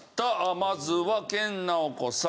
まずは研ナオコさん